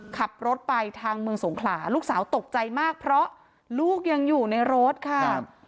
ขับรถไปทางเมืองสงขลาลูกสาวตกใจมากเพราะลูกยังอยู่ในรถค่ะ